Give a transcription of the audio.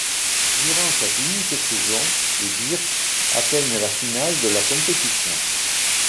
Durant cette unique saison les Bears atteignent la finale de la compétition.